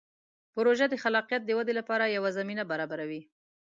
پروژه د خلاقیت د ودې لپاره یوه زمینه برابروي.